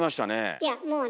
いやもうね